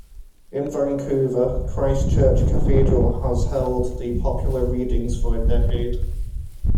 In Vancouver, Christ Church Cathedral has held the popular readings for a decade.